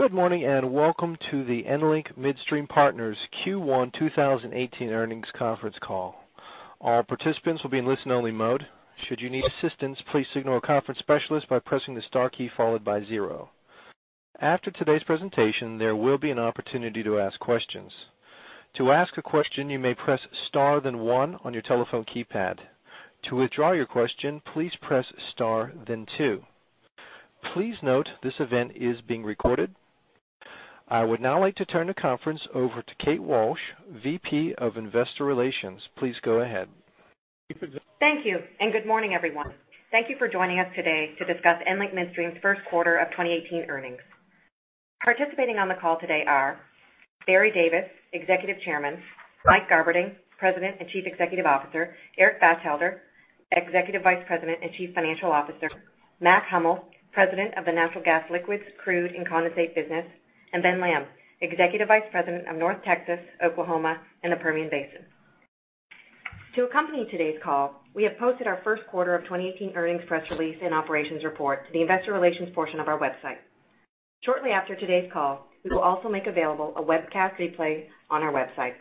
Good morning, and welcome to the EnLink Midstream Partners Q1 2018 earnings conference call. All participants will be in listen-only mode. Should you need assistance, please signal a conference specialist by pressing the star key followed by zero. After today's presentation, there will be an opportunity to ask questions. To ask a question, you may press star then one on your telephone keypad. To withdraw your question, please press star then two. Please note this event is being recorded. I would now like to turn the conference over to Kate Walsh, Vice President of Investor Relations. Please go ahead. Thank you, and good morning, everyone. Thank you for joining us today to discuss EnLink Midstream's first quarter of 2018 earnings. Participating on the call today are Barry Davis, Executive Chairman; Mike Garberding, President and Chief Executive Officer; Eric Batchelder, Executive Vice President and Chief Financial Officer; Mac Hummel, President of the Natural Gas Liquids, Crude, and Condensate Business; and Ben Lamb, Executive Vice President of North Texas, Oklahoma, and the Permian Basin. To accompany today's call, we have posted our first quarter of 2018 earnings press release and operations report to the investor relations portion of our website. Shortly after today's call, we will also make available a webcast replay on our website.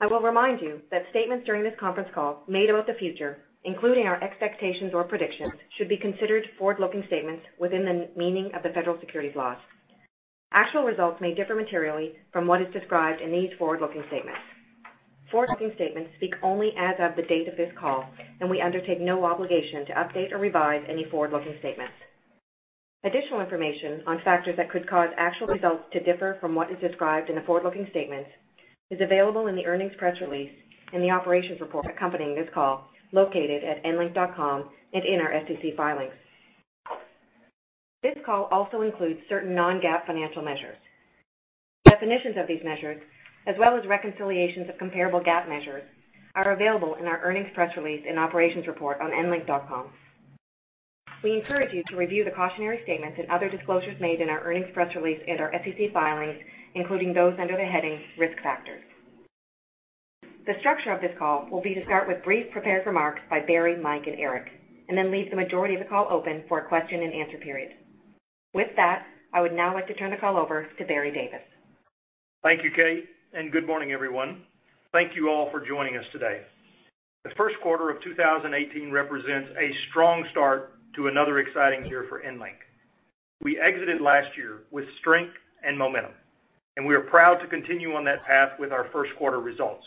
I will remind you that statements during this conference call made about the future, including our expectations or predictions, should be considered forward-looking statements within the meaning of the federal securities laws. Actual results may differ materially from what is described in these forward-looking statements. Forward-looking statements speak only as of the date of this call, and we undertake no obligation to update or revise any forward-looking statements. Additional information on factors that could cause actual results to differ from what is described in the forward-looking statements is available in the earnings press release and the operations report accompanying this call located at enlink.com and in our SEC filings. This call also includes certain non-GAAP financial measures. Definitions of these measures, as well as reconciliations of comparable GAAP measures, are available in our earnings press release and operations report on enlink.com. We encourage you to review the cautionary statements and other disclosures made in our earnings press release and our SEC filings, including those under the heading Risk Factors. The structure of this call will be to start with brief prepared remarks by Barry, Mike, and Eric, and then leave the majority of the call open for a question and answer period. With that, I would now like to turn the call over to Barry Davis. Thank you, Kate, and good morning, everyone. Thank you all for joining us today. The first quarter of 2018 represents a strong start to another exciting year for EnLink. We exited last year with strength and momentum, and we are proud to continue on that path with our first quarter results.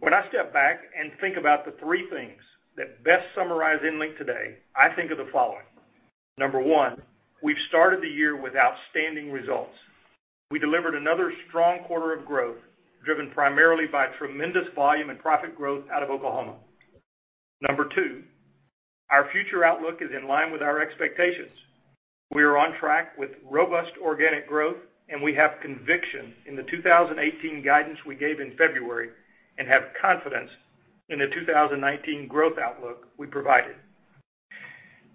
When I step back and think about the three things that best summarize EnLink today, I think of the following. Number 1, we've started the year with outstanding results. We delivered another strong quarter of growth, driven primarily by tremendous volume and profit growth out of Oklahoma. Number 2, our future outlook is in line with our expectations. We are on track with robust organic growth, and we have conviction in the 2018 guidance we gave in February and have confidence in the 2019 growth outlook we provided.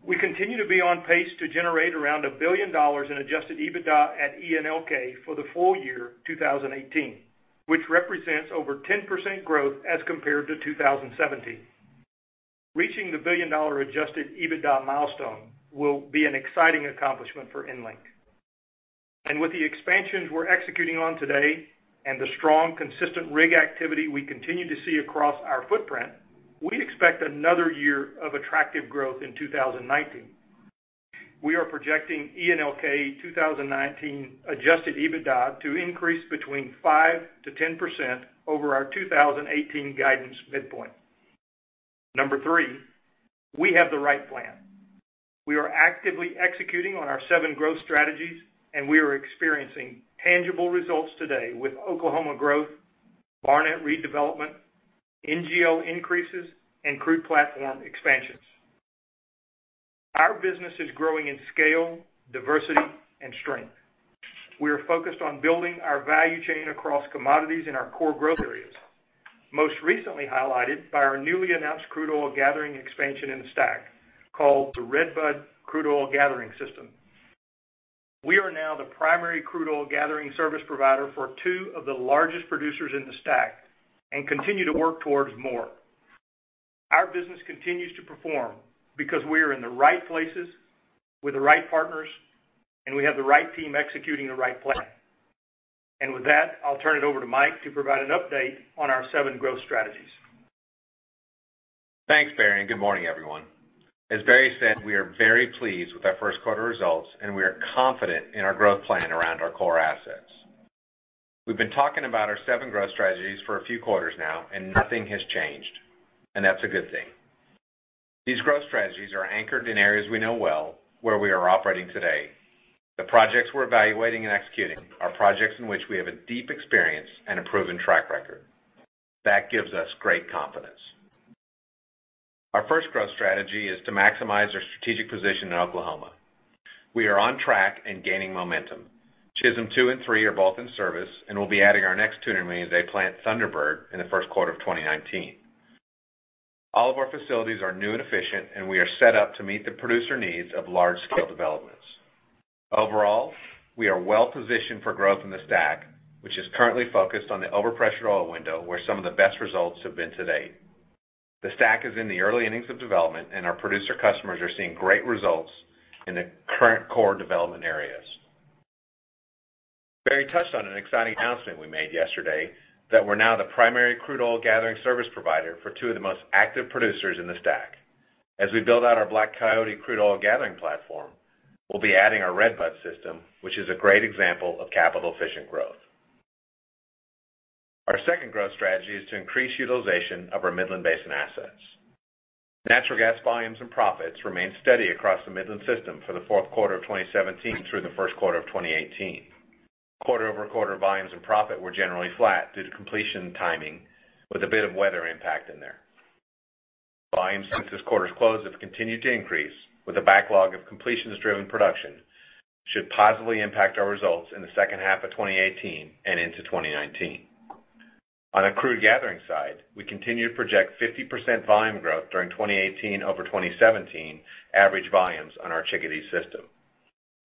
We continue to be on pace to generate around $1 billion in Adjusted EBITDA at ENLK for the full year 2018, which represents over 10% growth as compared to 2017. Reaching the billion-dollar Adjusted EBITDA milestone will be an exciting accomplishment for EnLink. With the expansions we're executing on today and the strong, consistent rig activity we continue to see across our footprint, we expect another year of attractive growth in 2019. We are projecting ENLK 2019 Adjusted EBITDA to increase between 5%-10% over our 2018 guidance midpoint. Number 3, we have the right plan. We are actively executing on our seven growth strategies, and we are experiencing tangible results today with Oklahoma growth, Barnett redevelopment, NGL increases, and crude platform expansions. Our business is growing in scale, diversity, and strength. We are focused on building our value chain across commodities in our core growth areas, most recently highlighted by our newly announced crude oil gathering expansion in the STACK, called the Redbud Crude Oil Gathering System. We are now the primary crude oil gathering service provider for two of the largest producers in the STACK and continue to work towards more. Our business continues to perform because we are in the right places with the right partners, and we have the right team executing the right plan. With that, I'll turn it over to Mike to provide an update on our seven growth strategies. Thanks, Barry, good morning, everyone. As Barry said, we are very pleased with our first quarter results, and we are confident in our growth plan around our core assets. We've been talking about our seven growth strategies for a few quarters now, nothing has changed, and that's a good thing. These growth strategies are anchored in areas we know well, where we are operating today. The projects we're evaluating and executing are projects in which we have a deep experience and a proven track record. That gives us great confidence. Our first growth strategy is to maximize our strategic position in Oklahoma. We are on track and gaining momentum. Chisholm two and three are both in service, and we'll be adding our next 200 million a day plant, Thunderbird, in the first quarter of 2019. All of our facilities are new and efficient. We are set up to meet the producer needs of large-scale developments. Overall, we are well-positioned for growth in the STACK, which is currently focused on the overpressure oil window, where some of the best results have been to date. The STACK is in the early innings of development. Our producer customers are seeing great results in the current core development areas. Barry touched on an exciting announcement we made yesterday that we're now the primary crude oil gathering service provider for two of the most active producers in the STACK. As we build out our Black Coyote crude oil gathering platform, we'll be adding our Redbud system, which is a great example of capital-efficient growth. Our second growth strategy is to increase utilization of our Midland Basin assets. Natural gas volumes and profits remained steady across the Midland system for the fourth quarter of 2017 through the first quarter of 2018. Quarter-over-quarter volumes and profit were generally flat due to completion timing, with a bit of weather impact in there. Volumes since this quarter's close have continued to increase with a backlog of completions-driven production should positively impact our results in the second half of 2018 and into 2019. On the crude gathering side, we continue to project 50% volume growth during 2018 over 2017 average volumes on our Chickadee system.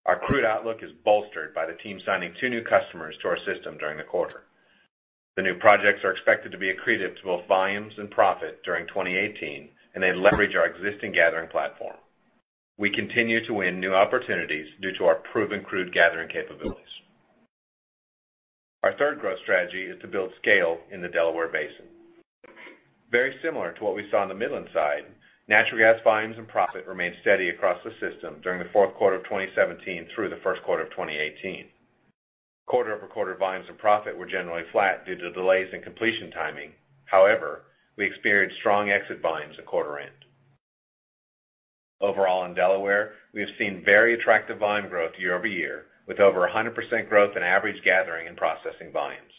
Our crude outlook is bolstered by the team signing two new customers to our system during the quarter. The new projects are expected to be accretive to both volumes and profit during 2018. They leverage our existing gathering platform. We continue to win new opportunities due to our proven crude gathering capabilities. Our third growth strategy is to build scale in the Delaware Basin. Very similar to what we saw on the Midland side, natural gas volumes and profit remained steady across the system during the fourth quarter of 2017 through the first quarter of 2018. Quarter-over-quarter volumes and profit were generally flat due to delays in completion timing. However, we experienced strong exit volumes at quarter end. Overall, in Delaware, we have seen very attractive volume growth year-over-year, with over 100% growth in average gathering and processing volumes.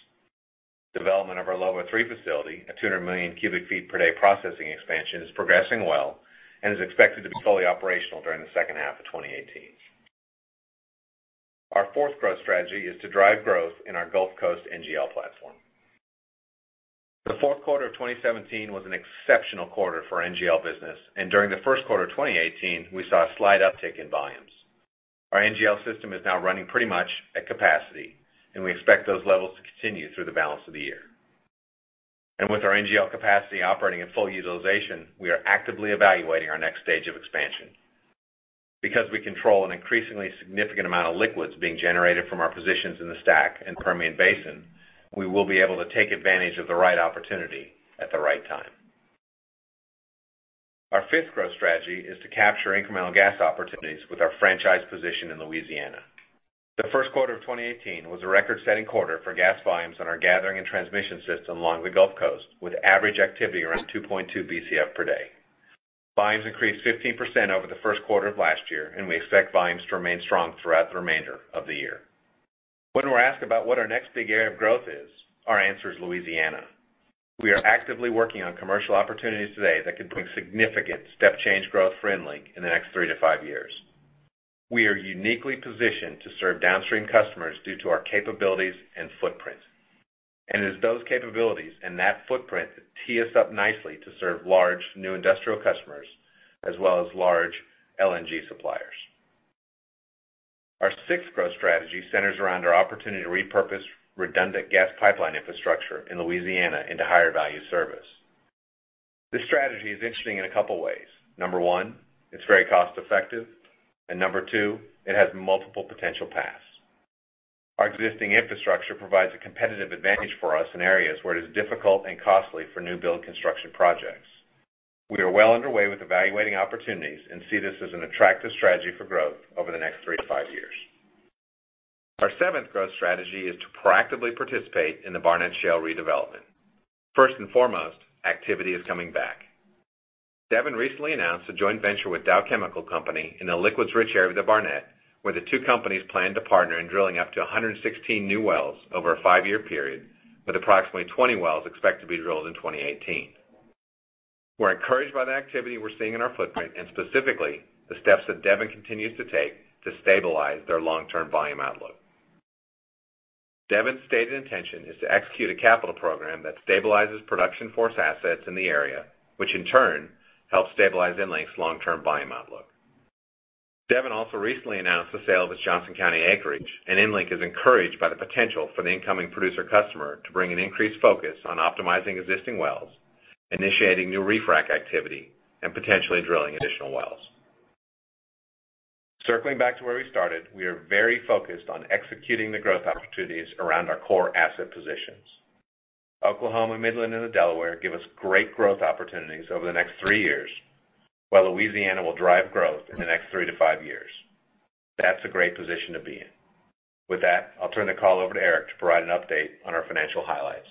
Development of our Lobo Three facility, a 200 million cubic feet per day processing expansion, is progressing well. It is expected to be fully operational during the second half of 2018. Our fourth growth strategy is to drive growth in our Gulf Coast NGL platform. The fourth quarter of 2017 was an exceptional quarter for our NGL business. During the first quarter of 2018, we saw a slight uptick in volumes. Our NGL system is now running pretty much at capacity. We expect those levels to continue through the balance of the year. With our NGL capacity operating at full utilization, we are actively evaluating our next stage of expansion. Because we control an increasingly significant amount of liquids being generated from our positions in the STACK and Permian Basin, we will be able to take advantage of the right opportunity at the right time. Our fifth growth strategy is to capture incremental gas opportunities with our franchise position in Louisiana. The first quarter of 2018 was a record-setting quarter for gas volumes on our gathering and transmission system along the Gulf Coast, with average activity around 2.2 Bcf per day. Volumes increased 15% over the first quarter of last year, we expect volumes to remain strong throughout the remainder of the year. When we're asked about what our next big area of growth is, our answer is Louisiana. We are actively working on commercial opportunities today that could bring significant step-change growth for EnLink in the next 3 to 5 years. We are uniquely positioned to serve downstream customers due to our capabilities and footprint. It is those capabilities and that footprint that tee us up nicely to serve large new industrial customers as well as large LNG suppliers. Our sixth growth strategy centers around our opportunity to repurpose redundant gas pipeline infrastructure in Louisiana into higher-value service. This strategy is interesting in a couple ways. Number one, it's very cost-effective. Number two, it has multiple potential paths. Our existing infrastructure provides a competitive advantage for us in areas where it is difficult and costly for new build construction projects. We are well underway with evaluating opportunities and see this as an attractive strategy for growth over the next 3 to 5 years. Our seventh growth strategy is to proactively participate in the Barnett Shale redevelopment. First and foremost, activity is coming back. Devon recently announced a joint venture with Dow Chemical Company in the liquids-rich area of the Barnett, where the two companies plan to partner in drilling up to 116 new wells over a 5-year period, with approximately 20 wells expected to be drilled in 2018. We're encouraged by the activity we're seeing in our footprint and specifically the steps that Devon continues to take to stabilize their long-term volume outlook. Devon's stated intention is to execute a capital program that stabilizes production force assets in the area, which in turn helps stabilize EnLink's long-term volume outlook. Devon also recently announced the sale of its Johnson County acreage, EnLink is encouraged by the potential for the incoming producer customer to bring an increased focus on optimizing existing wells, initiating new refrac activity, and potentially drilling additional wells. Circling back to where we started, we are very focused on executing the growth opportunities around our core asset positions. Oklahoma, Midland, and the Delaware give us great growth opportunities over the next 3 years, while Louisiana will drive growth in the next 3 to 5 years. That's a great position to be in. With that, I'll turn the call over to Eric to provide an update on our financial highlights.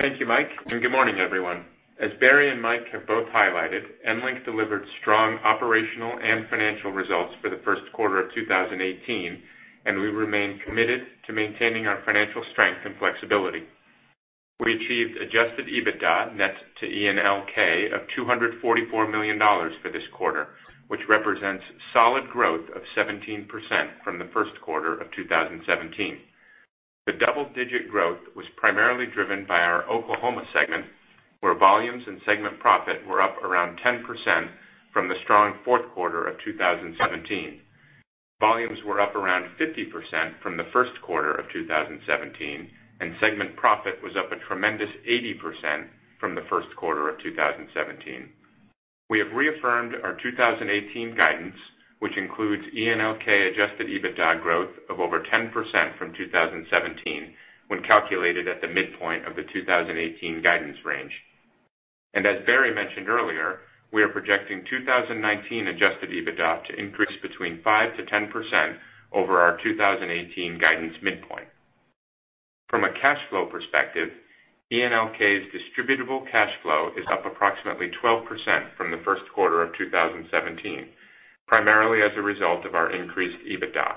Thank you, Mike, and good morning, everyone. As Barry and Mike have both highlighted, EnLink delivered strong operational and financial results for the first quarter of 2018, and we remain committed to maintaining our financial strength and flexibility. We achieved Adjusted EBITDA net to ENLK of $244 million for this quarter, which represents solid growth of 17% from the first quarter of 2017. The double-digit growth was primarily driven by our Oklahoma segment, where volumes and segment profit were up around 10%. A strong fourth quarter of 2017. Volumes were up around 50% from the first quarter of 2017, and segment profit was up a tremendous 80% from the first quarter of 2017. We have reaffirmed our 2018 guidance, which includes ENLK Adjusted EBITDA growth of over 10% from 2017, when calculated at the midpoint of the 2018 guidance range. As Barry mentioned earlier, we are projecting 2019 Adjusted EBITDA to increase between 5%-10% over our 2018 guidance midpoint. From a cash flow perspective, ENLK's Distributable Cash Flow is up approximately 12% from the first quarter of 2017, primarily as a result of our increased EBITDA.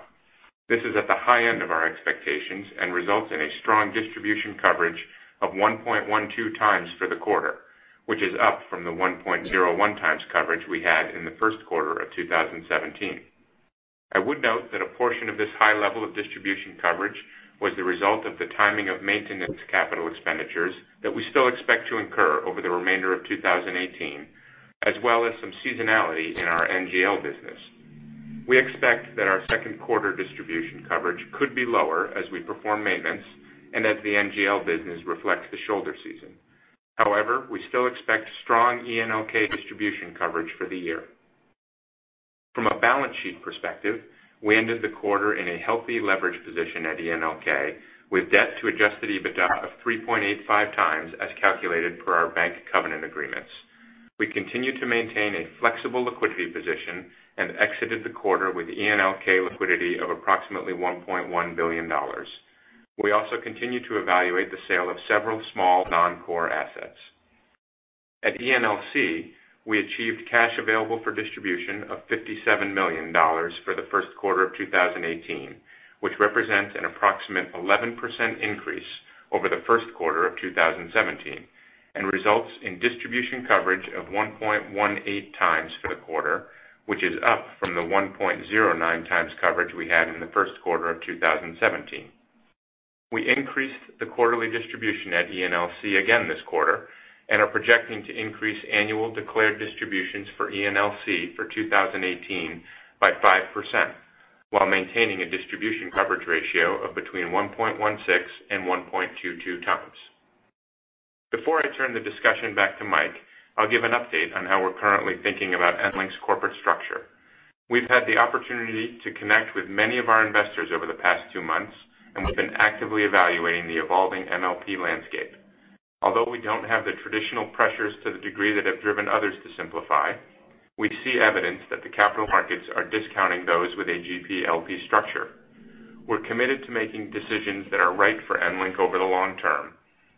This is at the high end of our expectations and results in a strong Distribution Coverage of 1.12 times for the quarter, which is up from the 1.01 times Coverage we had in the first quarter of 2017. I would note that a portion of this high level of Distribution Coverage was the result of the timing of maintenance capital expenditures that we still expect to incur over the remainder of 2018, as well as some seasonality in our NGL business. We expect that our second quarter Distribution Coverage could be lower as we perform maintenance and as the NGL business reflects the shoulder season. We still expect strong ENLK Distribution Coverage for the year. From a balance sheet perspective, we ended the quarter in a healthy leverage position at ENLK, with debt to Adjusted EBITDA of 3.85 times as calculated per our bank covenant agreements. We continue to maintain a flexible liquidity position and exited the quarter with ENLK liquidity of approximately $1.1 billion. We also continue to evaluate the sale of several small non-core assets. At ENLC, we achieved Cash Available for Distribution of $57 million for the first quarter of 2018, which represents an approximate 11% increase over the first quarter of 2017, and results in Distribution Coverage of 1.18 times for the quarter, which is up from the 1.09 times Coverage we had in the first quarter of 2017. We increased the quarterly distribution at ENLC again this quarter and are projecting to increase annual declared distributions for ENLC for 2018 by 5%, while maintaining a Distribution Coverage ratio of between 1.16 and 1.22 times. Before I turn the discussion back to Mike, I'll give an update on how we're currently thinking about EnLink's corporate structure. We've had the opportunity to connect with many of our investors over the past two months, and we've been actively evaluating the evolving MLP landscape. Although we don't have the traditional pressures to the degree that have driven others to simplify, we see evidence that the capital markets are discounting those with a GP/LP structure. We're committed to making decisions that are right for EnLink over the long term,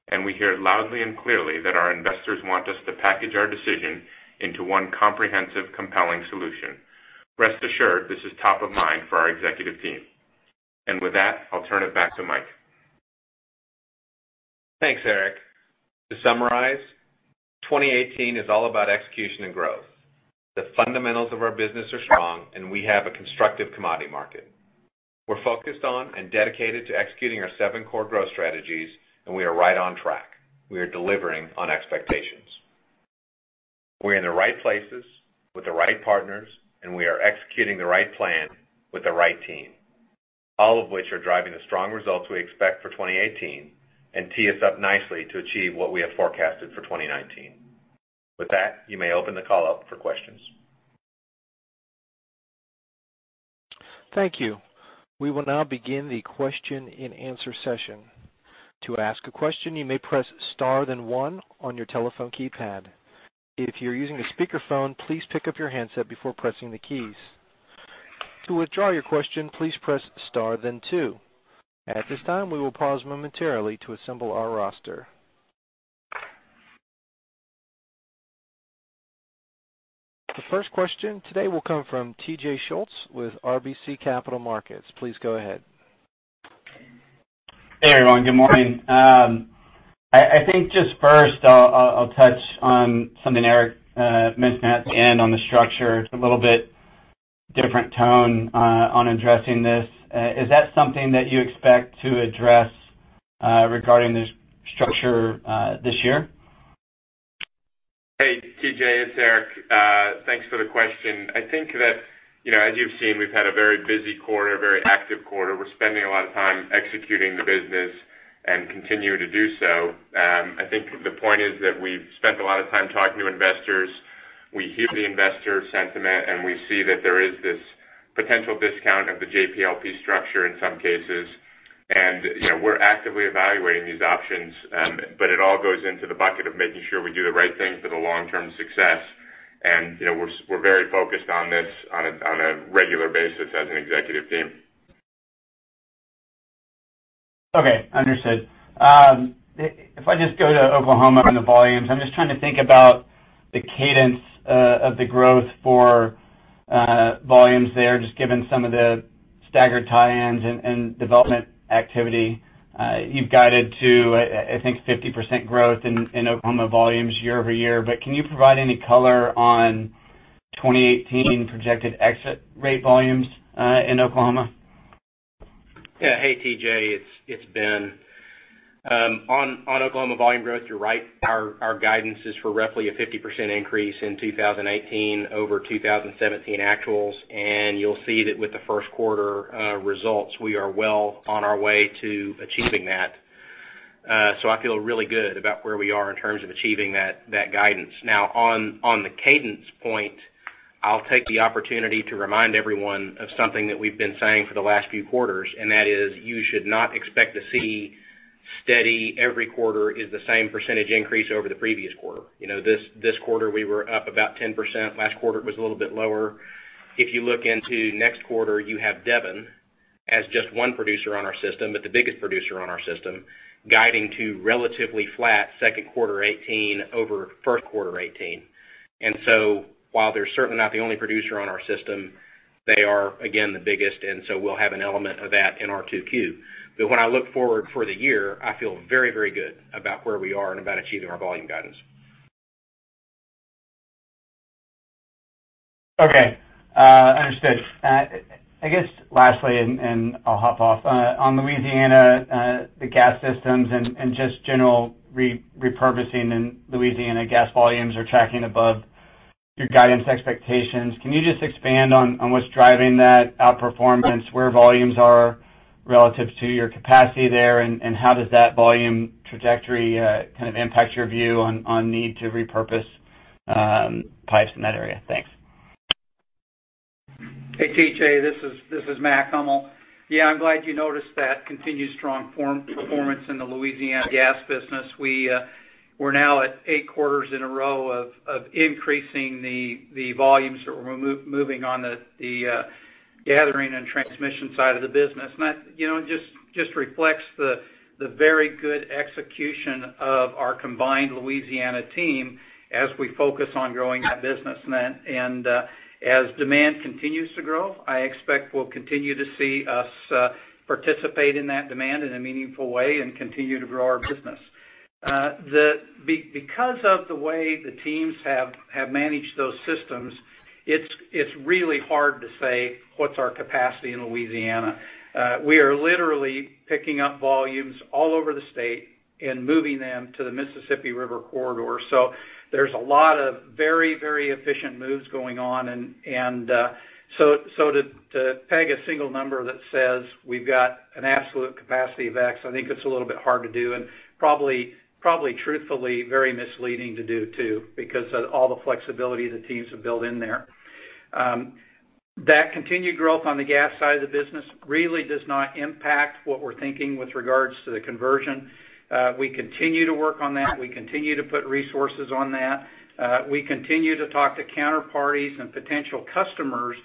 and we hear loudly and clearly that our investors want us to package our decision into one comprehensive, compelling solution. Rest assured, this is top of mind for our executive team. With that, I'll turn it back to Mike. Thanks, Eric. To summarize, 2018 is all about execution and growth. The fundamentals of our business are strong, and we have a constructive commodity market. We're focused on and dedicated to executing our seven core growth strategies, and we are right on track. We are delivering on expectations. We're in the right places with the right partners, and we are executing the right plan with the right team, all of which are driving the strong results we expect for 2018 and tee us up nicely to achieve what we have forecasted for 2019. With that, you may open the call up for questions. Thank you. We will now begin the question and answer session. To ask a question, you may press star then one on your telephone keypad. If you're using a speakerphone, please pick up your handset before pressing the keys. To withdraw your question, please press star then two. At this time, we will pause momentarily to assemble our roster. The first question today will come from T.J. Schultz with RBC Capital Markets. Please go ahead. Hey, everyone. Good morning. I think just first, I'll touch on something Eric mentioned at the end on the structure. It's a little bit different tone on addressing this. Is that something that you expect to address regarding this structure this year? Hey, T.J., it's Eric. Thanks for the question. I think that, as you've seen, we've had a very busy quarter, very active quarter. We're spending a lot of time executing the business and continue to do so. I think the point is that we've spent a lot of time talking to investors. We hear the investor sentiment, and we see that there is this potential discount of the GP/LP structure in some cases. We're actively evaluating these options, but it all goes into the bucket of making sure we do the right thing for the long-term success. We're very focused on this on a regular basis as an executive team. Okay, understood. If I just go to Oklahoma and the volumes, I'm just trying to think about the cadence of the growth for volumes there, just given some of the staggered tie-ins and development activity. You've guided to, I think, 50% growth in Oklahoma volumes year-over-year. Can you provide any color on 2018 projected exit rate volumes in Oklahoma? Yeah. Hey, T.J. It's Ben. On Oklahoma volume growth, you're right. Our guidance is for roughly a 50% increase in 2018 over 2017 actuals. You'll see that with the first quarter results, we are well on our way to achieving that. I feel really good about where we are in terms of achieving that guidance. On the cadence point, I'll take the opportunity to remind everyone of something that we've been saying for the last few quarters, and that is you should not expect to see steady every quarter is the same percentage increase over the previous quarter. This quarter, we were up about 10%. Last quarter, it was a little bit lower. If you look into next quarter, you have Devon as just one producer on our system, but the biggest producer on our system, guiding to relatively flat second quarter 2018 over first quarter 2018. While they're certainly not the only producer on our system, they are, again, the biggest, and so we'll have an element of that in our 2Q. When I look forward for the year, I feel very good about where we are and about achieving our volume guidance. Okay. Understood. I guess lastly, and I'll hop off. On Louisiana, the gas systems and just general repurposing in Louisiana, gas volumes are tracking above your guidance expectations. Can you just expand on what's driving that outperformance, where volumes are relative to your capacity there, and how does that volume trajectory kind of impact your view on need to repurpose pipes in that area? Thanks. Hey, T.J. This is McMillan Hummel. I'm glad you noticed that continued strong performance in the Louisiana gas business. We're now at eight quarters in a row of increasing the volumes that we're moving on the gathering and transmission side of the business. That just reflects the very good execution of our combined Louisiana team as we focus on growing that business. As demand continues to grow, I expect we'll continue to see us participate in that demand in a meaningful way and continue to grow our business. Because of the way the teams have managed those systems, it's really hard to say what's our capacity in Louisiana. We are literally picking up volumes all over the state and moving them to the Mississippi River Corridor. There's a lot of very efficient moves going on. To peg a single number that says we've got an absolute capacity of X, I think it's a little bit hard to do, and probably truthfully very misleading to do too, because of all the flexibility the teams have built in there. That continued growth on the gas side of the business really does not impact what we're thinking with regards to the conversion. We continue to work on that. We continue to put resources on that. We continue to talk to counterparties and potential customers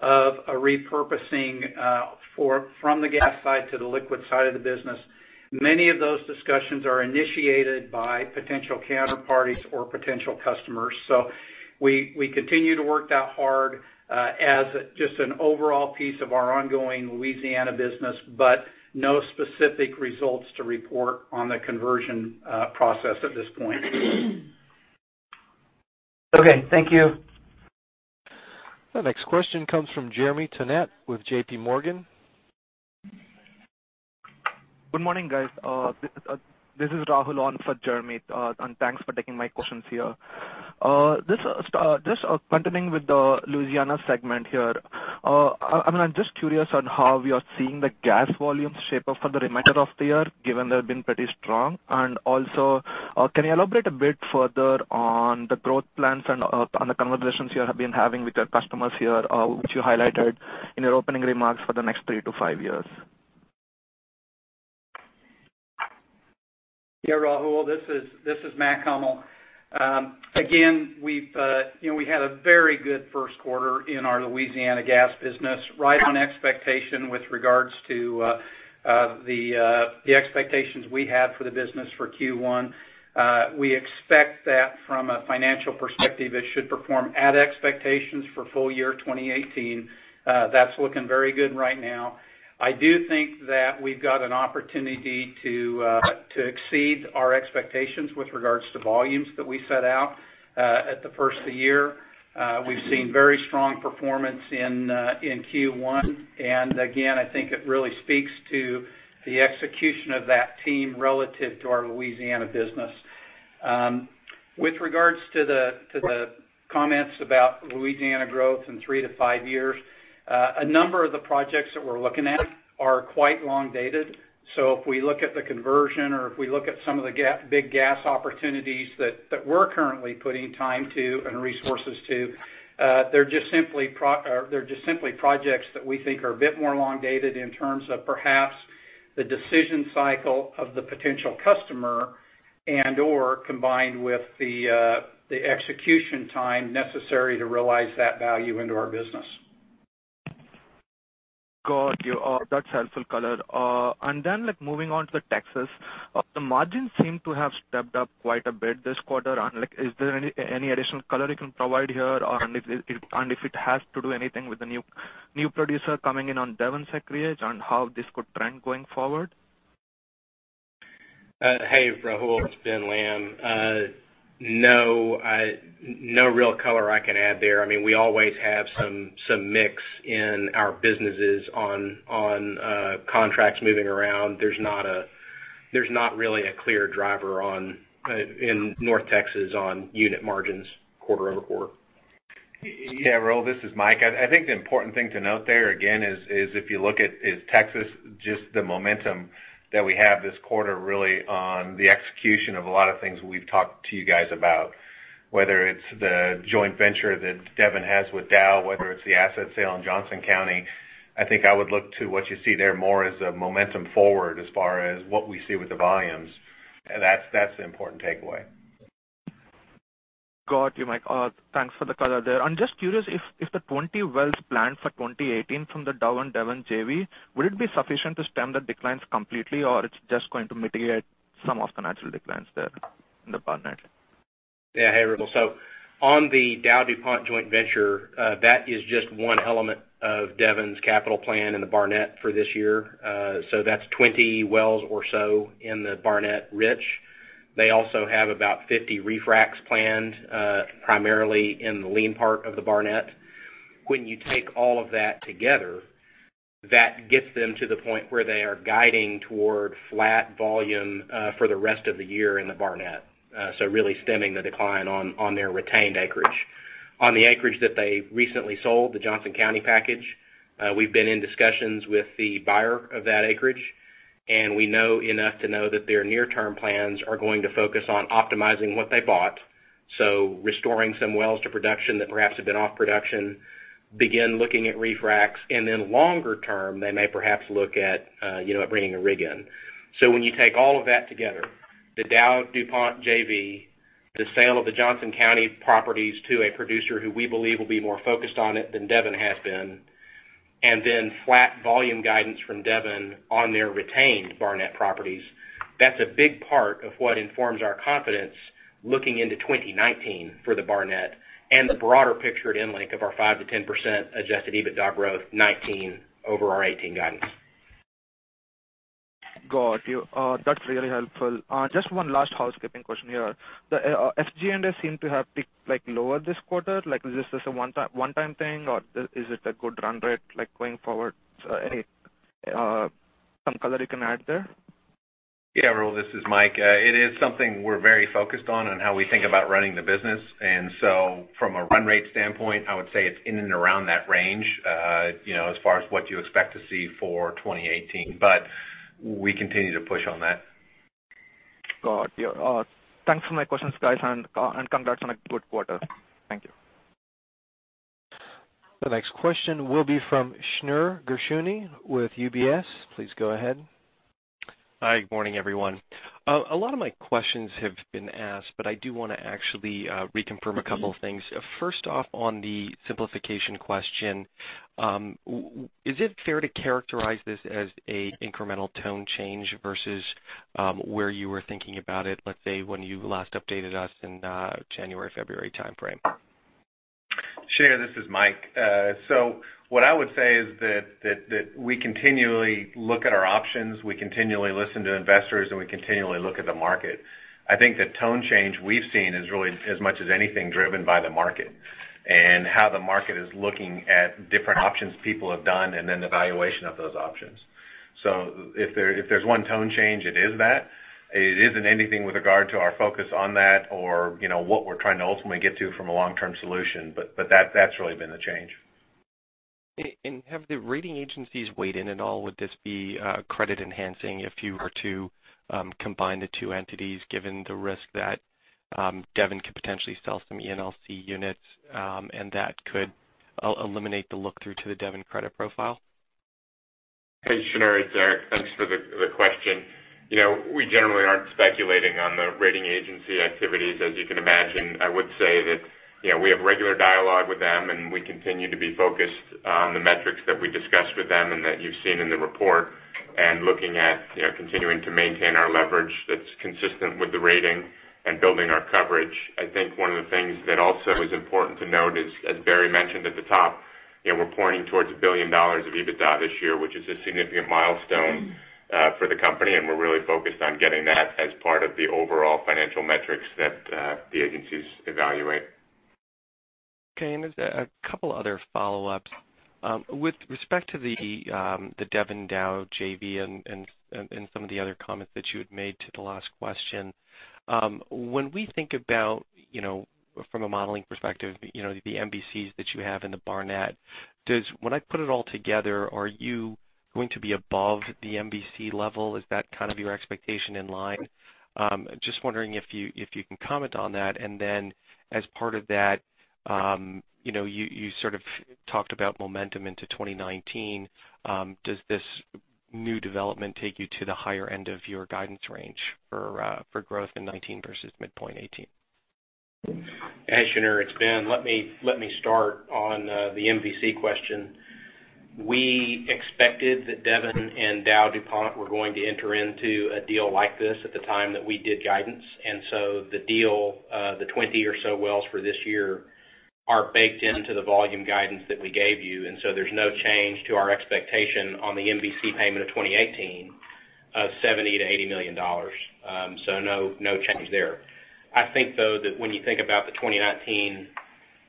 of a repurposing from the gas side to the liquid side of the business. Many of those discussions are initiated by potential counterparties or potential customers. We continue to work that hard as just an overall piece of our ongoing Louisiana business, but no specific results to report on the conversion process at this point. Okay. Thank you. The next question comes from Jeremy Tonet with JP Morgan. Good morning, guys. This is Rahul on for Jeremy. Thanks for taking my questions here. Just continuing with the Louisiana segment here. I'm just curious on how we are seeing the gas volumes shape up for the remainder of the year, given they've been pretty strong. Also, can you elaborate a bit further on the growth plans and on the conversations you have been having with your customers here, which you highlighted in your opening remarks for the next three to five years? Rahul. This is McMillan Hummel. We had a very good first quarter in our Louisiana gas business, right on expectation with regards to the expectations we had for the business for Q1. We expect that from a financial perspective, it should perform at expectations for full year 2018. That's looking very good right now. I do think that we've got an opportunity to exceed our expectations with regards to volumes that we set out at the first of the year. We've seen very strong performance in Q1. Again, I think it really speaks to the execution of that team relative to our Louisiana business. With regards to the comments about Louisiana growth in three to five years, a number of the projects that we're looking at are quite long dated. If we look at the conversion or if we look at some of the big gas opportunities that we're currently putting time to and resources to, they're just simply projects that we think are a bit more long dated in terms of perhaps the decision cycle of the potential customer and, or combined with the execution time necessary to realize that value into our business. Got you. That's helpful color. Moving on to Texas. The margins seem to have stepped up quite a bit this quarter. Is there any additional color you can provide here? If it has to do anything with the new producer coming in on Devon's acreage and how this could trend going forward? Hey, Rahul, it's Ben Lamb. No real color I can add there. We always have some mix in our businesses on contracts moving around. There's not really a clear driver in North Texas on unit margins quarter-over-quarter. Yeah, Rahul, this is Mike. I think the important thing to note there, again, is if you look at Texas, just the momentum that we have this quarter really on the execution of a lot of things we've talked to you guys about, whether it's the joint venture that Devon has with Dow, whether it's the asset sale in Johnson County, I think I would look to what you see there more as a momentum forward as far as what we see with the volumes. That's the important takeaway. Got you, Mike. Thanks for the color there. I'm just curious if the 20 wells planned for 2018 from the Dow and Devon JV, would it be sufficient to stem the declines completely, or it's just going to mitigate some of the natural declines there in the Barnett? Yeah. Hey, Rahul. On the DowDuPont joint venture, that is just one element of Devon's capital plan in the Barnett for this year. That's 20 wells or so in the Barnett Rich. They also have about 50 refracs planned, primarily in the lean part of the Barnett. When you take all of that together, that gets them to the point where they are guiding toward flat volume for the rest of the year in the Barnett. Really stemming the decline on their retained acreage. On the acreage that they recently sold, the Johnson County package, we've been in discussions with the buyer of that acreage, we know enough to know that their near-term plans are going to focus on optimizing what they bought. Restoring some wells to production that perhaps have been off production, begin looking at refracs, longer term, they may perhaps look at bringing a rig in. When you take all of that together, the DowDuPont JV, the sale of the Johnson County properties to a producer who we believe will be more focused on it than Devon has been, flat volume guidance from Devon on their retained Barnett properties, that's a big part of what informs our confidence looking into 2019 for the Barnett and the broader picture at EnLink of our 5%-10% Adjusted EBITDA growth 2019 over our 2018 guidance. Got you. That's really helpful. Just one last housekeeping question here. The SG&A seem to have peaked lower this quarter. Is this just a one-time thing, or is it a good run rate going forward? Some color you can add there? Yeah, Rahul, this is Mike. It is something we're very focused on how we think about running the business. From a run rate standpoint, I would say it's in and around that range, as far as what you expect to see for 2018. We continue to push on that. Got you. Thanks for my questions, guys, and congrats on a good quarter. Thank you. The next question will be from Shneur Gershuny with UBS. Please go ahead. Hi, good morning, everyone. A lot of my questions have been asked, but I do want to actually reconfirm a couple things. First off, on the simplification question, is it fair to characterize this as a incremental tone change versus where you were thinking about it, let's say, when you last updated us in January, February timeframe? Shneur, this is Mike. What I would say is that we continually look at our options, we continually listen to investors, and we continually look at the market. I think the tone change we've seen is really as much as anything driven by the market, and how the market is looking at different options people have done, and then the valuation of those options. If there's one tone change, it is that. It isn't anything with regard to our focus on that, or what we're trying to ultimately get to from a long-term solution. That's really been the change. Have the rating agencies weighed in at all? Would this be credit enhancing if you were to combine the two entities, given the risk that Devon could potentially sell some ENLC units, and that could eliminate the look-through to the Devon credit profile? Hey, Shneur. It's Eric. Thanks for the question. We generally aren't speculating on the rating agency activities. As you can imagine, I would say that we have regular dialogue with them, and we continue to be focused on the metrics that we discussed with them and that you've seen in the report, and looking at continuing to maintain our leverage that's consistent with the rating and building our coverage. I think one of the things that also is important to note is, as Barry mentioned at the top, we're pointing towards $1 billion of EBITDA this year, which is a significant milestone for the company, and we're really focused on getting that as part of the overall financial metrics that the agencies evaluate. Okay. There's a couple other follow-ups. With respect to the Devon Dow JV and some of the other comments that you had made to the last question, when we think about from a modeling perspective, the MVCs that you have in the Barnett, when I put it all together, are you going to be above the MVC level? Is that your expectation in line? Just wondering if you can comment on that. Then as part of that, you sort of talked about momentum into 2019. Does this new development take you to the higher end of your guidance range for growth in 2019 versus midpoint 2018? Hey, Shneur, it's Ben. Let me start on the MVC question. We expected that Devon and DowDuPont were going to enter into a deal like this at the time that we did guidance. The deal, the 20 or so wells for this year, are baked into the volume guidance that we gave you. There's no change to our expectation on the MVC payment of 2018 of $70 million-$80 million. No change there. I think though that when you think about the 2019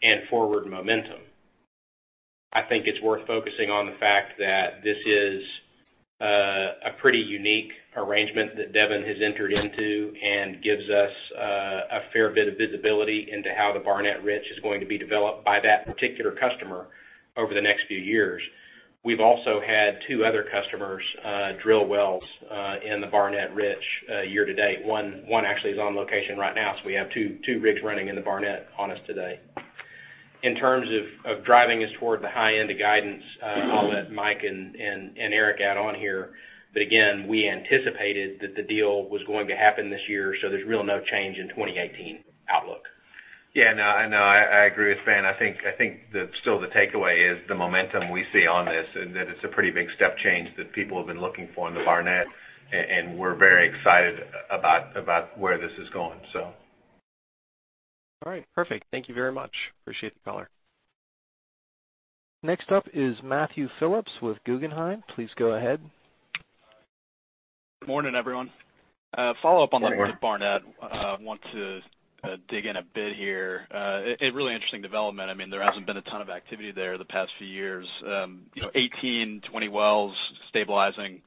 and forward momentum, I think it's worth focusing on the fact that this is a pretty unique arrangement that Devon has entered into, and gives us a fair bit of visibility into how the Barnett Rich is going to be developed by that particular customer over the next few years. We've also had two other customers drill wells in the Barnett Rich year to date. One actually is on location right now. We have two rigs running in the Barnett on us today. In terms of driving us toward the high end of guidance, I'll let Mike and Eric add on here. Again, we anticipated that the deal was going to happen this year, so there's really no change in 2018 outlook. Yeah. No, I know. I agree with Ben. I think that still the takeaway is the momentum we see on this, and that it's a pretty big step change that people have been looking for in the Barnett, and we're very excited about where this is going. All right. Perfect. Thank you very much. Appreciate the call. Next up is Matthew Phillips with Guggenheim. Please go ahead. Good morning, everyone. Follow-up on that with Barnett. Want to dig in a bit here. A really interesting development. There hasn't been a ton of activity there the past few years. 18, 20 wells stabilizing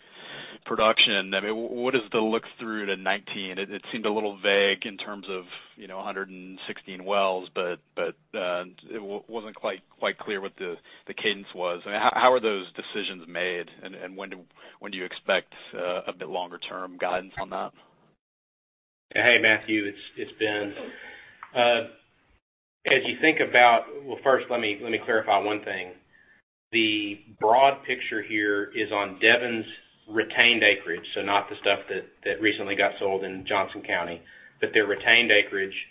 production. What is the look-through to 2019? It seemed a little vague in terms of 116 wells, but it wasn't quite clear what the cadence was. How are those decisions made, and when do you expect a bit longer-term guidance on that? Hey, Matthew, it's Ben. As you think about, first, let me clarify one thing. The broad picture here is on Devon's retained acreage, not the stuff that recently got sold in Johnson County. Their retained acreage,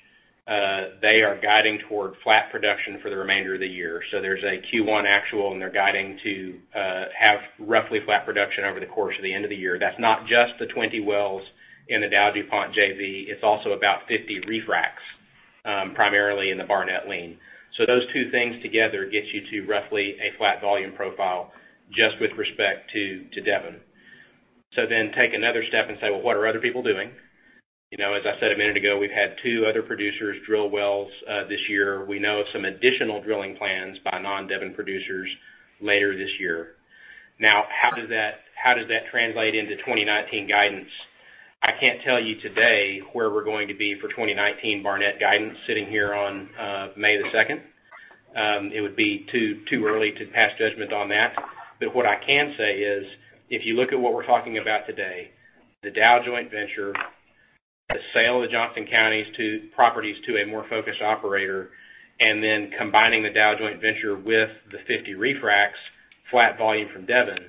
they are guiding toward flat production for the remainder of the year. There's a Q1 actual, and they're guiding to have roughly flat production over the course of the end of the year. That's not just the 20 wells in the DowDuPont JV, it's also about 50 refracs, primarily in the Barnett lean. Those two things together gets you to roughly a flat volume profile just with respect to Devon. Take another step and say, "Well, what are other people doing?" As I said a minute ago, we've had two other producers drill wells this year. We know of some additional drilling plans by non-Devon producers later this year. How does that translate into 2019 guidance? I can't tell you today where we're going to be for 2019 Barnett guidance sitting here on May the 2nd. It would be too early to pass judgment on that. What I can say is, if you look at what we're talking about today, the Dow joint venture, the sale of Johnson County's properties to a more focused operator, combining the Dow joint venture with the 50 refracs flat volume from Devon,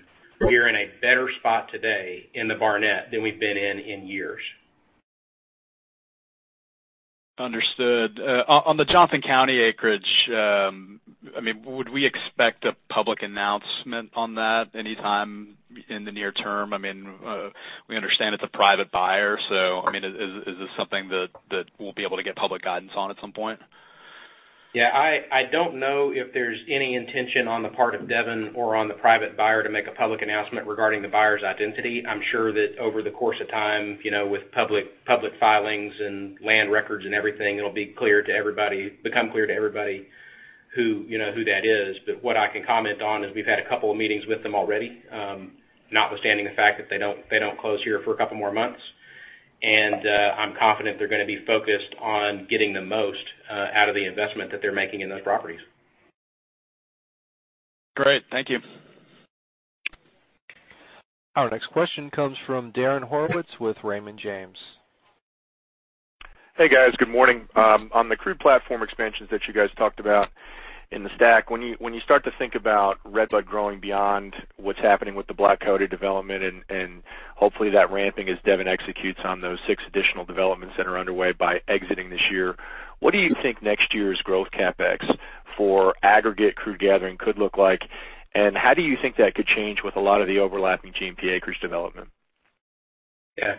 we are in a better spot today in the Barnett than we've been in in years. Understood. On the Johnson County acreage, would we expect a public announcement on that anytime in the near term? We understand it's a private buyer, is this something that we'll be able to get public guidance on at some point? Yeah. I don't know if there's any intention on the part of Devon or on the private buyer to make a public announcement regarding the buyer's identity. I'm sure that over the course of time, with public filings and land records and everything, it'll become clear to everybody who that is. What I can comment on is we've had a couple of meetings with them already, notwithstanding the fact that they don't close here for a couple more months. I'm confident they're going to be focused on getting the most out of the investment that they're making in those properties. Great. Thank you. Our next question comes from Darren Horowitz with Raymond James. Hey, guys. Good morning. On the crude platform expansions that you guys talked about in the STACK, when you start to think about Redbud growing beyond what's happening with the Black Coyote development and hopefully that ramping as Devon executes on those six additional developments that are underway by exiting this year, what do you think next year's growth CapEx for aggregate crude gathering could look like? And how do you think that could change with a lot of the overlapping G&P acres development? Yeah.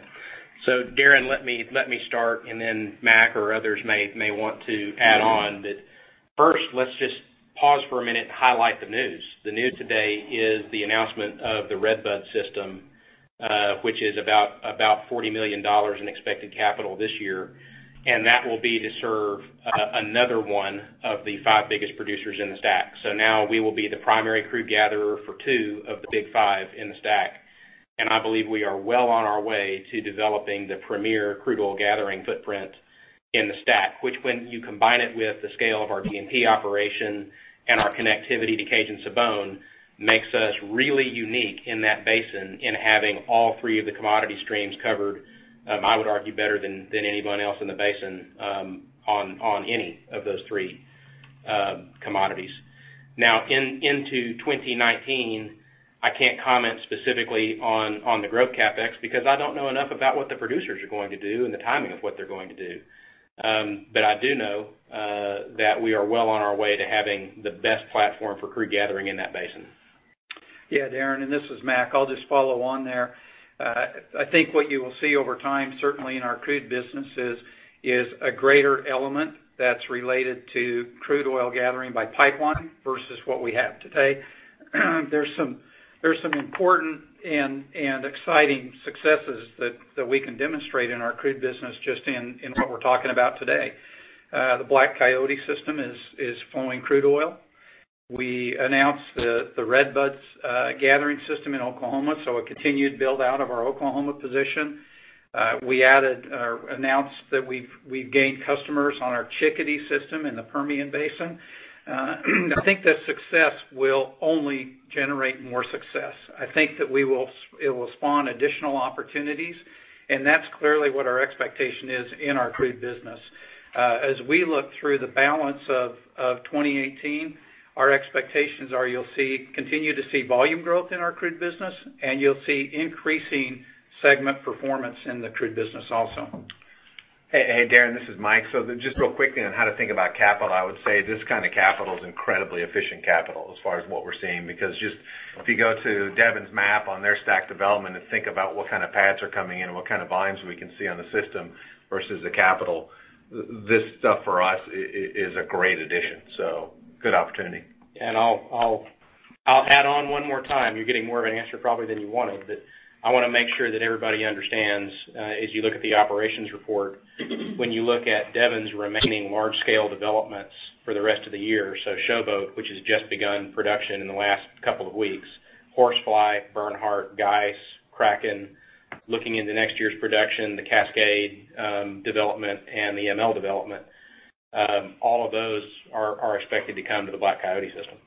Darren, let me start, and then Mac or others may want to add on. First, let's just pause for a minute and highlight the news. The news today is the announcement of the Redbud system, which is about $40 million in expected capital this year. That will be to serve another one of the five biggest producers in the STACK. Now we will be the primary crude gatherer for two of the big five in the STACK. I believe we are well on our way to developing the premier crude oil gathering footprint in the STACK, which when you combine it with the scale of our G&P operation and our connectivity to Cajun-Sibon, makes us really unique in that basin in having all three of the commodity streams covered, I would argue better than anyone else in the basin on any of those three commodities. Into 2019, I can't comment specifically on the growth CapEx because I don't know enough about what the producers are going to do and the timing of what they're going to do. I do know that we are well on our way to having the best platform for crude gathering in that basin. Darren, this is Mac. I'll just follow on there. I think what you will see over time, certainly in our crude businesses, is a greater element that's related to crude oil gathering by pipeline versus what we have today. There's some important and exciting successes that we can demonstrate in our crude business just in what we're talking about today. The Black Coyote system is flowing crude oil. We announced the Redbud gathering system in Oklahoma, so a continued build-out of our Oklahoma position. We announced that we've gained customers on our Chickadee system in the Permian Basin. I think that success will only generate more success. I think that it will spawn additional opportunities, and that's clearly what our expectation is in our crude business. As we look through the balance of 2018, our expectations are you'll continue to see volume growth in our crude business, and you'll see increasing segment performance in the crude business also. Darren, this is Mike. Just real quickly on how to think about capital. I would say this kind of capital is incredibly efficient capital as far as what we're seeing, because just if you go to Devon's map on their STACK development and think about what kind of pads are coming in and what kind of volumes we can see on the system versus the capital, this stuff for us is a great addition. Good opportunity. I'll add on one more time. You're getting more of an answer probably than you wanted, but I want to make sure that everybody understands, as you look at the operations report, when you look at Devon's remaining large-scale developments for the rest of the year, Showboat, which has just begun production in the last couple of weeks, Horsefly, Bernhardt, Geiss, Kraken. Looking into next year's production, the Cascade development and the ML development, all of those are expected to come to the Black Coyote system.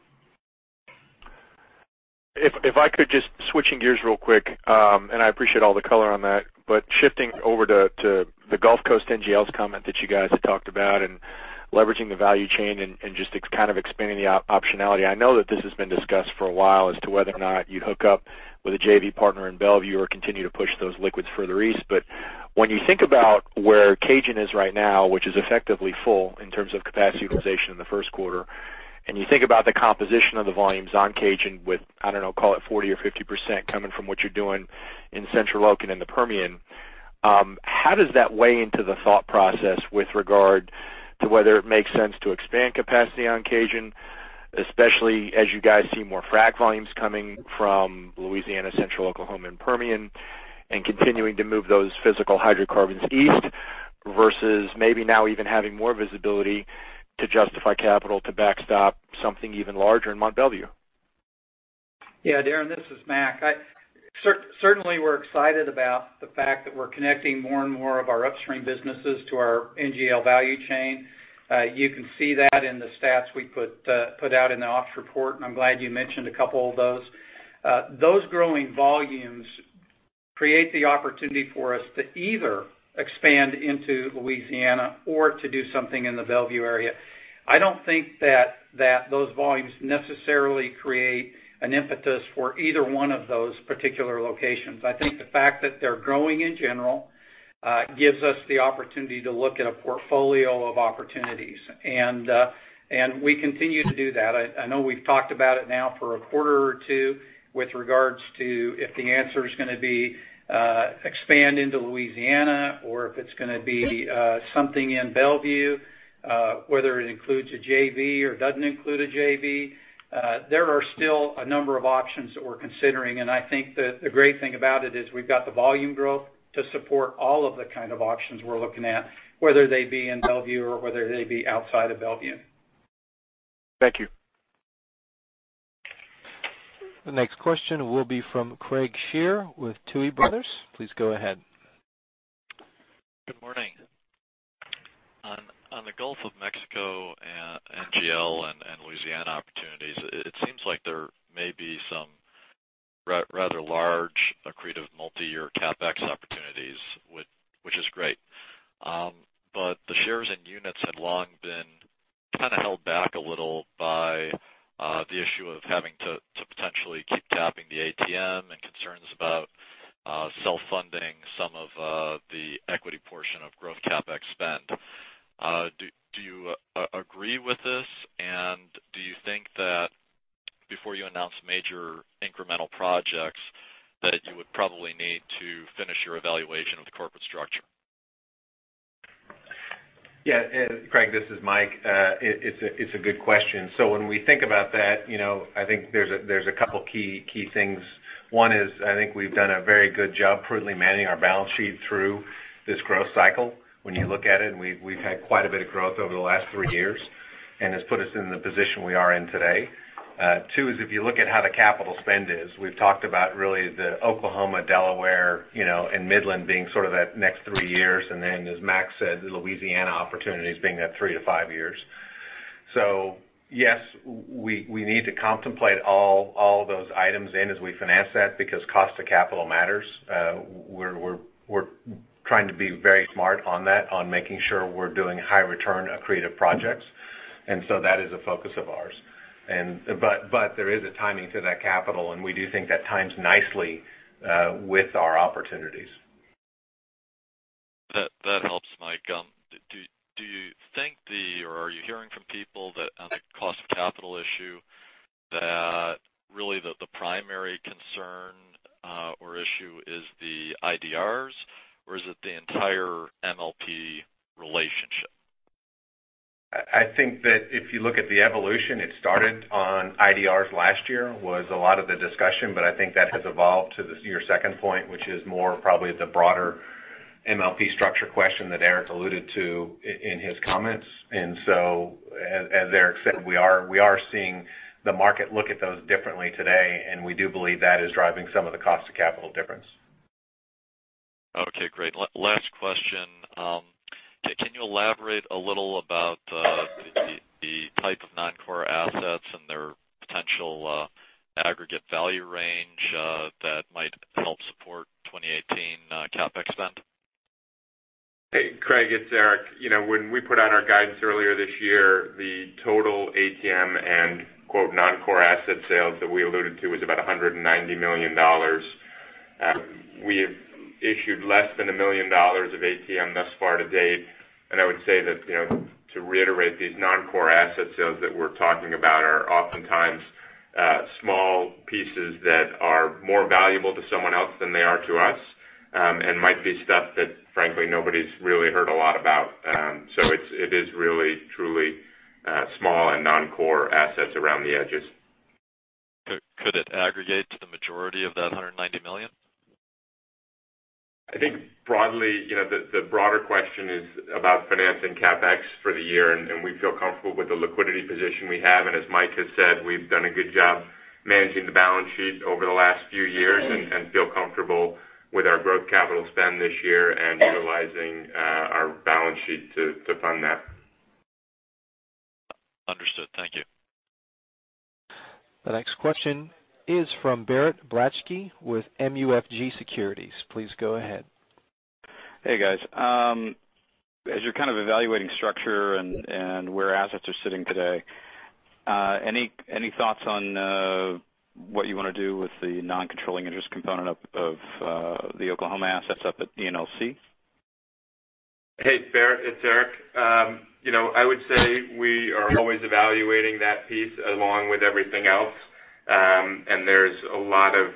If I could switching gears real quick, I appreciate all the color on that. Shifting over to the Gulf Coast NGLs comment that you guys had talked about and leveraging the value chain and just kind of expanding the optionality. I know that this has been discussed for a while as to whether or not you'd hook up with a JV partner in Mont Belvieu or continue to push those liquids further east. When you think about where Cajun is right now, which is effectively full in terms of capacity utilization in the first quarter, and you think about the composition of the volumes on Cajun with, I don't know, call it 40% or 50% coming from what you're doing in Central Oklahoma and the Permian, how does that weigh into the thought process with regard to whether it makes sense to expand capacity on Cajun, especially as you guys see more frack volumes coming from Louisiana, Central Oklahoma, and Permian, and continuing to move those physical hydrocarbons east versus maybe now even having more visibility to justify capital to backstop something even larger in Mont Belvieu? Yeah, Darren, this is Mac. Certainly, we're excited about the fact that we're connecting more and more of our upstream businesses to our NGL value chain. You can see that in the stats we put out in the ops report, I'm glad you mentioned a couple of those. Those growing volumes create the opportunity for us to either expand into Louisiana or to do something in the Mont Belvieu area. I don't think that those volumes necessarily create an impetus for either one of those particular locations. I think the fact that they're growing in general gives us the opportunity to look at a portfolio of opportunities. We continue to do that. I know we've talked about it now for a quarter or two with regards to if the answer's going to be expand into Louisiana or if it's going to be something in Belvieu, whether it includes a JV or doesn't include a JV. There are still a number of options that we're considering. I think that the great thing about it is we've got the volume growth to support all of the kind of options we're looking at, whether they be in Belvieu or whether they be outside of Belvieu. Thank you. The next question will be from Craig Shere with Tuohy Brothers. Please go ahead. Good morning. On the Gulf of Mexico and NGL and Louisiana opportunities, it seems like there may be some rather large accretive multi-year CapEx opportunities, which is great. The shares and units had long been kind of held back a little by the issue of having to potentially keep tapping the ATM and concerns about self-funding some of the equity portion of growth CapEx spend. Do you agree with this? Do you think that before you announce major incremental projects, that you would probably need to finish your evaluation of the corporate structure? Craig, this is Mike. It's a good question. When we think about that, I think there's a couple key things. One is, I think we've done a very good job prudently managing our balance sheet through this growth cycle. When you look at it, we've had quite a bit of growth over the last three years, and it's put us in the position we are in today. Two is if you look at how the capital spend is, we've talked about really the Oklahoma, Delaware and Midland being sort of that next three years, and then as Mac said, the Louisiana opportunities being that three to five years. Yes, we need to contemplate all those items in as we finance that because cost of capital matters. We're trying to be very smart on that, on making sure we're doing high return accretive projects, that is a focus of ours. There is a timing to that capital, and we do think that times nicely with our opportunities. That helps, Mike. Do you think or are you hearing from people that on the cost of capital issue, that really the primary concern or issue is the IDRs, or is it the entire MLP relationship? I think that if you look at the evolution, it started on IDRs last year, was a lot of the discussion, I think that has evolved to your second point, which is more probably the broader MLP structure question that Eric alluded to in his comments. As Eric said, we are seeing the market look at those differently today, and we do believe that is driving some of the cost of capital difference. Okay, great. Last question. Can you elaborate a little about the type of non-core assets and their potential aggregate value range that might help support 2018 CapEx spend? Hey, Craig Shere, it's Eric. When we put out our guidance earlier this year, the total ATM and non-core asset sales that we alluded to was about $190 million. We have issued less than $1 million of ATM thus far to date. I would say that, to reiterate, these non-core asset sales that we're talking about are oftentimes small pieces that are more valuable to someone else than they are to us and might be stuff that frankly nobody's really heard a lot about. It is really, truly small and non-core assets around the edges. Could it aggregate to the majority of that $190 million? I think the broader question is about financing CapEx for the year, and we feel comfortable with the liquidity position we have. As Mike has said, we've done a good job managing the balance sheet over the last few years and feel comfortable with our growth capital spend this year and utilizing our balance sheet to fund that. Understood. Thank you. The next question is from Barrett Blaschke with MUFG Securities. Please go ahead. Hey, guys. As you're evaluating structure and where assets are sitting today, any thoughts on what you want to do with the non-controlling interest component of the Oklahoma assets up at ENLC? Hey, Barrett, it's Eric. I would say we are always evaluating that piece along with everything else. There's a lot of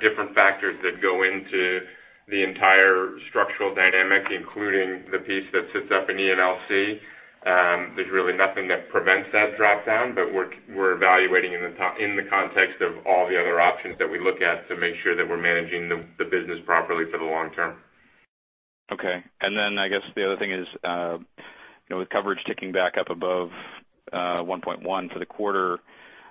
different factors that go into the entire structural dynamic, including the piece that sits up in ENLC. There's really nothing that prevents that drop-down, but we're evaluating in the context of all the other options that we look at to make sure that we're managing the business properly for the long term. Okay. I guess the other thing is, with coverage ticking back up above 1.1 for the quarter,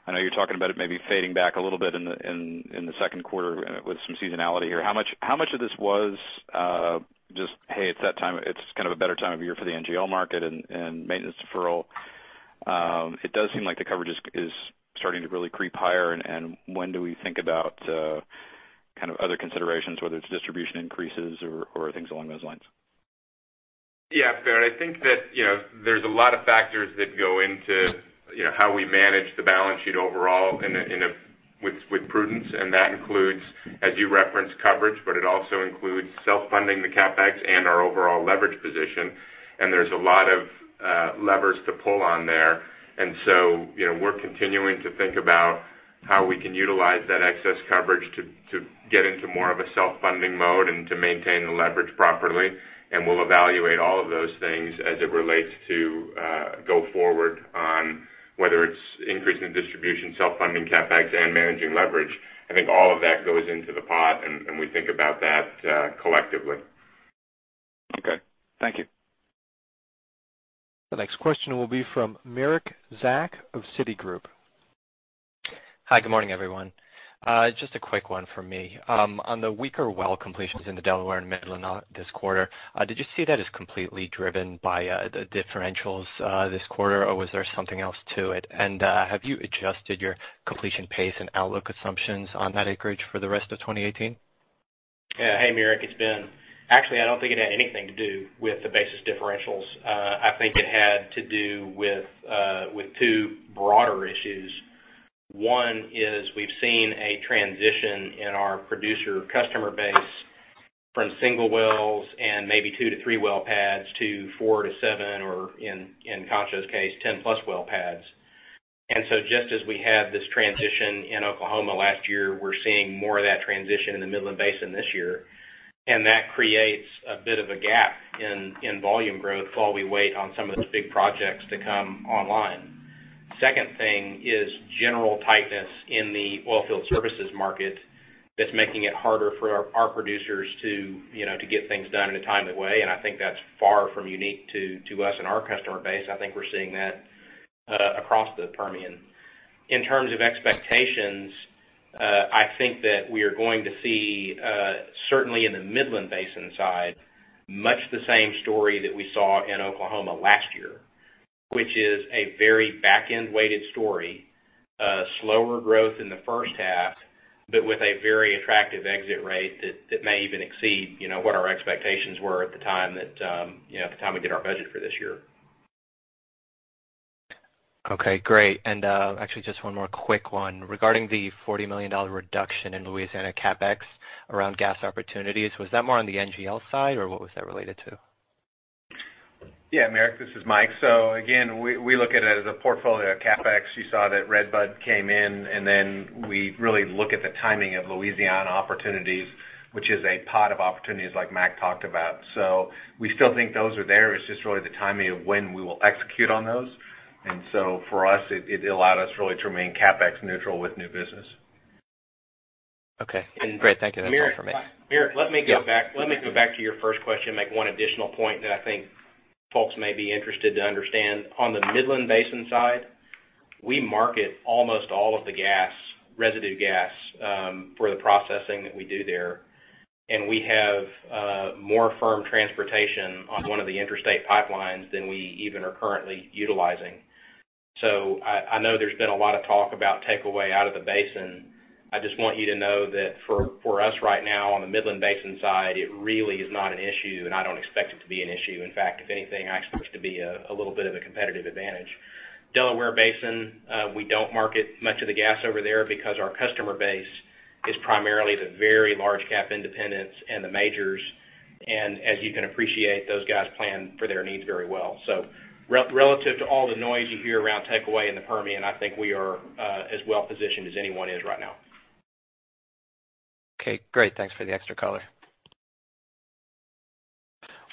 I know you're talking about it maybe fading back a little bit in the second quarter with some seasonality here. How much of this was just, hey, it's kind of a better time of year for the NGL market and maintenance deferral? It does seem like the coverage is starting to really creep higher, and when do we think about other considerations, whether it's distribution increases or things along those lines? Yeah, Barrett, I think that there's a lot of factors that go into how we manage the balance sheet overall with prudence, that includes, as you referenced, coverage, but it also includes self-funding the CapEx and our overall leverage position. There's a lot of levers to pull on there. We're continuing to think about how we can utilize that excess coverage to get into more of a self-funding mode and to maintain the leverage properly. We'll evaluate all of those things as it relates to go forward on whether it's increasing distribution, self-funding CapEx, and managing leverage. I think all of that goes into the pot, and we think about that collectively. Okay. Thank you. The next question will be from Merrick Zack of Citigroup. Hi, good morning, everyone. Just a quick one from me. On the weaker well completions in the Delaware and Midland this quarter, did you see that as completely driven by the differentials this quarter, or was there something else to it? Have you adjusted your completion pace and outlook assumptions on that acreage for the rest of 2018? Hey, Merrick, it's Ben. Actually, I don't think it had anything to do with the basis differentials. I think it had to do with two broader issues. One is we've seen a transition in our producer customer base from single wells and maybe two to three well pads to four to seven, or in Concho's case, 10-plus well pads. Just as we had this transition in Oklahoma last year, we're seeing more of that transition in the Midland Basin this year, and that creates a bit of a gap in volume growth while we wait on some of those big projects to come online. Second thing is general tightness in the oil field services market that's making it harder for our producers to get things done in a timely way, and I think that's far from unique to us and our customer base. I think we're seeing that across the Permian. In terms of expectations, I think that we are going to see, certainly in the Midland Basin side, much the same story that we saw in Oklahoma last year, which is a very back-end-weighted story. Slower growth in the first half, but with a very attractive exit rate that may even exceed what our expectations were at the time we did our budget for this year. Okay, great. Actually just one more quick one. Regarding the $40 million reduction in Louisiana CapEx around gas opportunities, was that more on the NGL side, or what was that related to? Yeah, Merrick, this is Mike. Again, we look at it as a portfolio of CapEx. You saw that Redbud came in, we really look at the timing of Louisiana opportunities, which is a pot of opportunities like Mack talked about. We still think those are there. It's just really the timing of when we will execute on those. For us, it allowed us really to remain CapEx neutral with new business. Okay. Great. Thank you. That's all for me. Mer, let me go back to your first question, make one additional point that I think folks may be interested to understand. On the Midland Basin side, we market almost all of the residue gas for the processing that we do there. We have more firm transportation on one of the interstate pipelines than we even are currently utilizing. I know there's been a lot of talk about takeaway out of the basin. I just want you to know that for us right now on the Midland Basin side, it really is not an issue, and I don't expect it to be an issue. In fact, if anything, I expect it to be a little bit of a competitive advantage. Delaware Basin, we don't market much of the gas over there because our customer base is primarily the very large cap independents and the majors. As you can appreciate, those guys plan for their needs very well. Relative to all the noise you hear around takeaway in the Permian, I think we are as well-positioned as anyone is right now. Okay, great. Thanks for the extra color.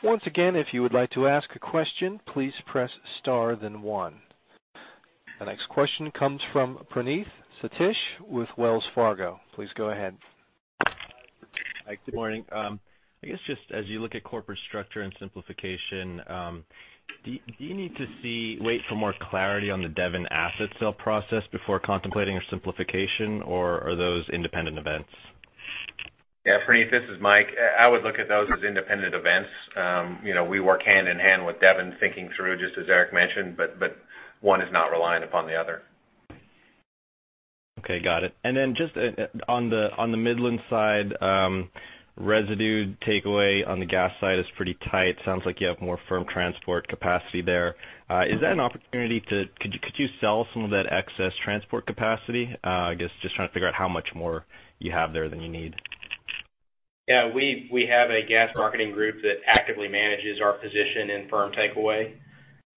Once again, if you would like to ask a question, please press star then one. The next question comes from Praneeth Satish with Wells Fargo. Please go ahead. Hi, good morning. I guess just as you look at corporate structure and simplification, do you need to wait for more clarity on the Devon asset sale process before contemplating a simplification? Or are those independent events? Yeah, Praneeth, this is Mike. I would look at those as independent events. We work hand in hand with Devon thinking through, just as Eric mentioned. One is not reliant upon the other. Okay, got it. Just on the Midland side, residue takeaway on the gas side is pretty tight. Sounds like you have more firm transport capacity there. Is that an opportunity? Could you sell some of that excess transport capacity? I guess just trying to figure out how much more you have there than you need. Yeah, we have a gas marketing group that actively manages our position in firm takeaway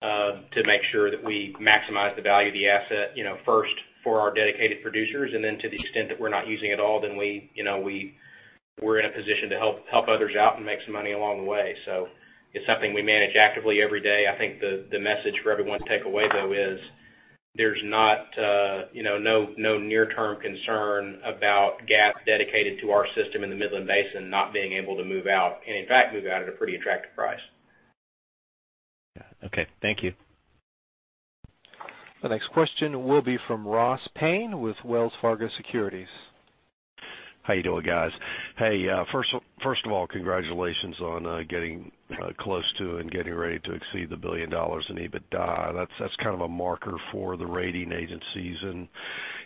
to make sure that we maximize the value of the asset, first for our dedicated producers, to the extent that we're not using it all, then we're in a position to help others out and make some money along the way. It's something we manage actively every day. I think the message for everyone to take away, though, is there's no near-term concern about gas dedicated to our system in the Midland Basin not being able to move out, in fact, move out at a pretty attractive price. Yeah. Okay. Thank you. The next question will be from Ross Payne with Wells Fargo Securities. How you doing, guys? Hey, first of all, congratulations on getting close to and getting ready to exceed the $1 billion in EBITDA. That's kind of a marker for the rating agencies.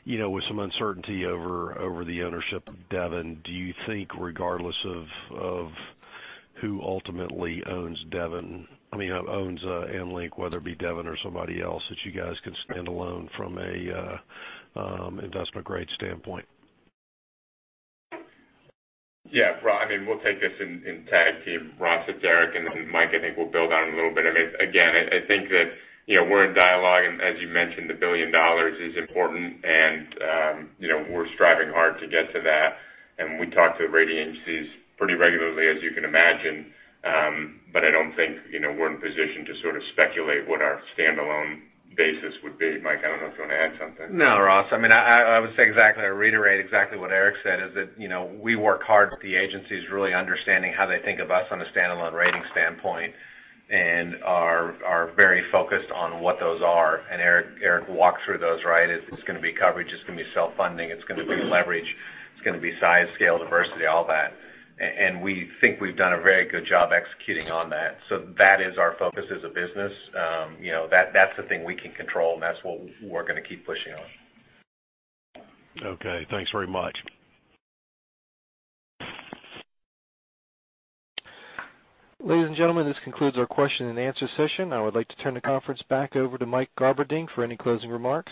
With some uncertainty over the ownership of Devon, do you think regardless of who ultimately owns EnLink, whether it be Devon or somebody else, that you guys can stand alone from a investment-grade standpoint? Yeah. Ross, we'll take this in tag team. Ross, it's Eric, Mike, I think will build on it a little bit. Again, I think that we're in dialogue, as you mentioned, $1 billion is important, we're striving hard to get to that. We talk to the rating agencies pretty regularly, as you can imagine. I don't think we're in position to sort of speculate what our standalone basis would be. Mike, I don't know if you want to add something. No, Ross. I would say exactly, or reiterate exactly what Eric said, is that, we work hard with the agencies really understanding how they think of us on a standalone rating standpoint and are very focused on what those are. Eric walked through those, right? It's going to be coverage, it's going to be self-funding, it's going to be leverage, it's going to be size, scale, diversity, all that. We think we've done a very good job executing on that. That is our focus as a business. That's the thing we can control, that's what we're gonna keep pushing on. Okay. Thanks very much. Ladies and gentlemen, this concludes our question and answer session. I would like to turn the conference back over to Mike Garberding for any closing remarks.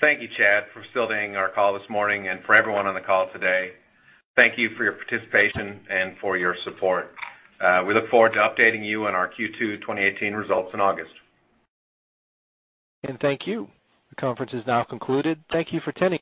Thank you, Chad, for facilitating our call this morning. For everyone on the call today, thank you for your participation and for your support. We look forward to updating you on our Q2 2018 results in August. Thank you. The conference is now concluded. Thank you for attending.